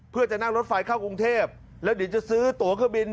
เพื่อจะนั่งรถไฟเข้ากรุงเทพแล้วเดี๋ยวจะซื้อตัวเครื่องบิน